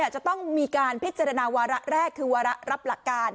จะต้องมีการพิจารณาวาระแรกคือวาระรับหลักการ